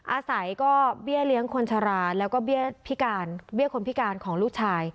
อาศัยก็เบี้ยเลี้ยงคนชราแล้วก็เบี้ยพิการเบี้ยคนพิการของลูกชาย